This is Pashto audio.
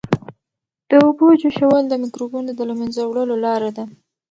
د اوبو جوشول د مکروبونو د له منځه وړلو لاره ده.